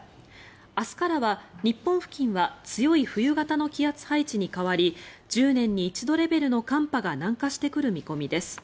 明日からは日本付近は強い冬型の気圧配置に変わり１０年に一度レベルの寒波が南下してくる見込みです。